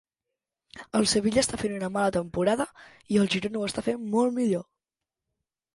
Les cançons flueixen juntes contínuament sense cap trencament.